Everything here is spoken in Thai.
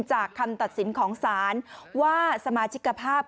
คำตัดสินของศาลว่าสมาชิกภาพ